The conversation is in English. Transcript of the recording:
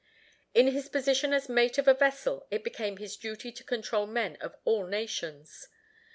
In his position as mate of a vessel it became his duty to control men of all nations.